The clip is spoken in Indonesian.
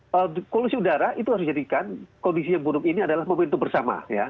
kalau polusi udara itu harus dijadikan kondisi yang buruk ini adalah momentum bersama ya